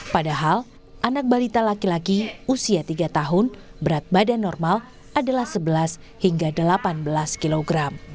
padahal anak balita laki laki usia tiga tahun berat badan normal adalah sebelas hingga delapan belas kg